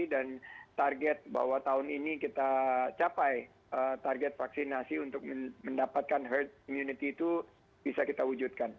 dan target bahwa tahun ini kita capai target vaksinasi untuk mendapatkan herd immunity itu bisa kita wujudkan